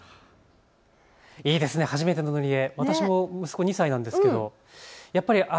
いいですね、初めての塗り絵。